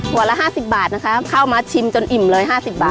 ละ๕๐บาทนะคะเข้ามาชิมจนอิ่มเลย๕๐บาท